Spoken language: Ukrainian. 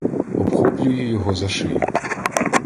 Обхоплюю його за шию.